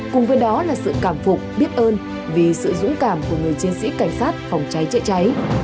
cùng với đó là sự cảm phục biết ơn vì sự dũng cảm của người chiến sĩ cảnh sát phòng cháy chữa cháy